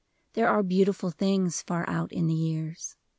There are beautiful things far out in the years.